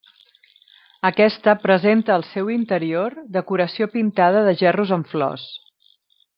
Aquesta presenta al seu interior, decoració pintada de gerros amb flors.